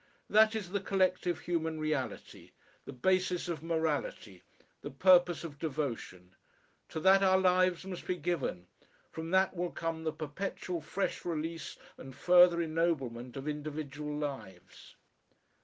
That is the collective human reality, the basis of morality, the purpose of devotion. To that our lives must be given, from that will come the perpetual fresh release and further ennoblement of individual lives....